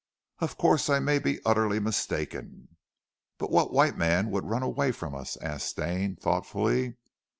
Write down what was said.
Of course I may be utterly mistaken." "But what white man would run away from us?" asked Stane, thoughtfully.